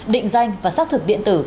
định danh và xác thực điện tử